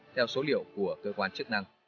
theo số liệu của cơ quan chức năng